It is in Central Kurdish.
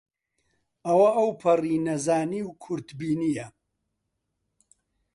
ئەوە ئەوپەڕی نەزانی و کورتبینییە